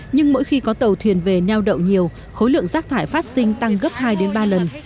nhưng mỗi khi có tàu thuyền về neo đậu nhiều khối lượng rác thải phát sinh tăng gấp hai đến ba lần